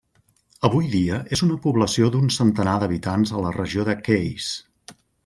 Avui dia és una població d'un centenar d'habitants a la regió de Kayes.